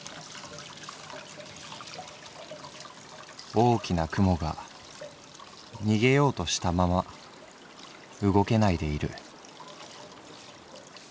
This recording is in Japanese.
「大きな蜘蛛が逃げようとしたまま動けないでいる」。